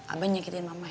abah nyakitin mama ya